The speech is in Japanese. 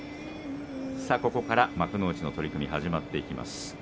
ここから幕内の取組が始まっていきます。